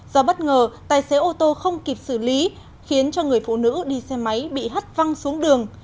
do bất ngờ tài xế ô tô không kịp xử lý khiến cho người phụ nữ đi xe máy bị hắt văng xuống đường